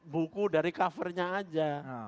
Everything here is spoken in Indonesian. buku dari covernya aja